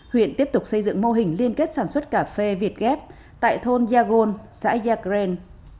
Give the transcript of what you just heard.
huyện tiếp tục xây dựng mô hình liên kết sản xuất cà phê việt ghép tại thôn yagol xã yagren